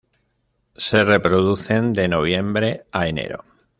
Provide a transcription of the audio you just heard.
Se reproducen de noviembre a enero.